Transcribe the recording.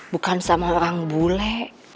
bukan sama orang bule